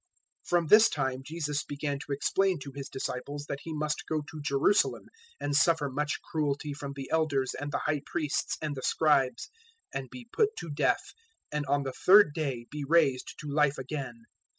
016:021 From this time Jesus began to explain to His disciples that He must go to Jerusalem, and suffer much cruelty from the Elders and the High Priests and the Scribes, and be put to death, and on the third day be raised to life again.